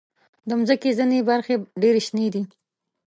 د مځکې ځینې برخې ډېر شنې دي.